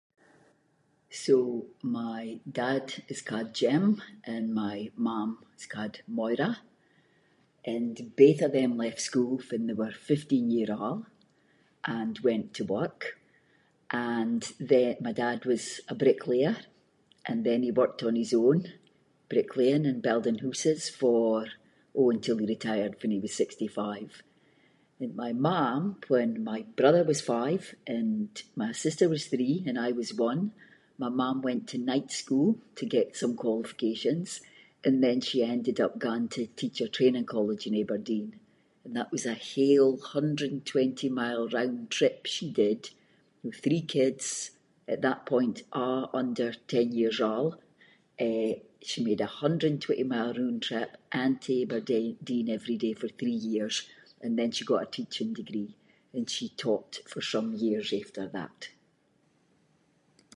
So, my dad is ca’d Jim, and my mam is ca’d Moira and both of them left school fann they were fifteen year auld and went to work and then my dad was a bricklayer and then he worked on his own bricklaying and building hooses for, oh, until he retired fann he was sixty-five. And my mam, when my brother was five, and my sister was three, and I was one, my mam went to night school to get some qualifications, and then she ended up going to teacher training college in Aberdeen, and that was a whole hundred-and-twenty mile round trip she did, with three kids at that point a’ under ten years auld, eh, she made a hundred-and-twenty mile roond trip and to Aberdeen every day for three years and then she got her teaching degree, and she taught for some years after that.